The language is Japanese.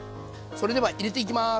それでは入れていきます。